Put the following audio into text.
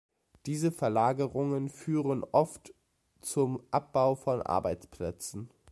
Diese Verlagerungen führen oft zum Abbau von Arbeitsplätzen.